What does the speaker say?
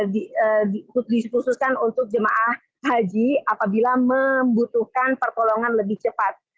dikhususkan untuk jemaah haji apabila membutuhkan pertolongan lebih cepat